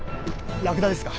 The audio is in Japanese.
ラクダですか？